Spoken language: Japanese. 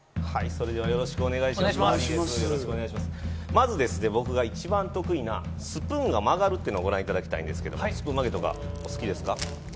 まずですね、僕が一番得意なスプーンが曲がるっていうのをご覧いただきたいんですけど、スプーン曲げとかお好きですか？